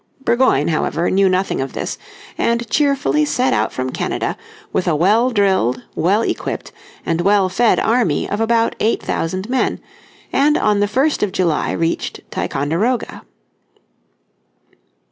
Burgoyne, however, knew nothing of this and cheerfully set out from Canada with a well drilled, well equipped, and well fed army of about eight thousand men, and on the 1st of July reached Ticonderoga.